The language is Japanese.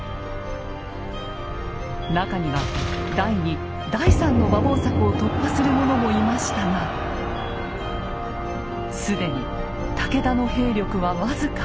中には第２第３の馬防柵を突破する者もいましたが既に武田の兵力は僅か。